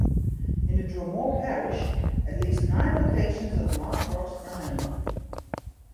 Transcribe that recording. In the Dromore Parish at least nine locations of Mass Rocks are known.